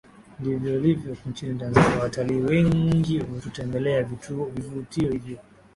ndivyo ilivyo nchini Tanzania watalii wengihutembelea vivutio hivyo